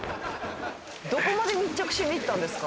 どこまで密着しにいったんですか？